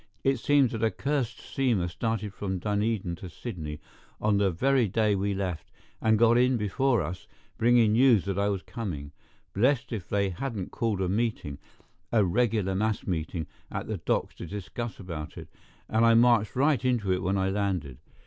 It seems that a cursed steamer started from Dunedin to Sydney on the very day we left, and got in before us, bringing news that I was coming. Blessed if they hadn't called a meeting—a regular mass meeting—at the docks to discuss about it, and I marched right into it when I landed.